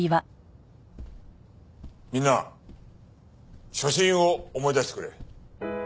みんな初心を思い出してくれ。